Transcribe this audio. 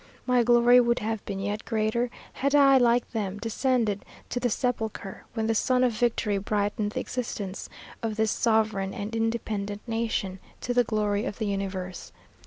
My glory would have been yet greater, had I, like them, descended to the sepulchre, when the sun of victory brightened the existence of this sovereign and independent nation, to the glory of the universe.